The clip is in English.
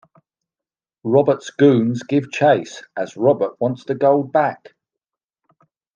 Robert's goons give chase as Robert wants the gold back.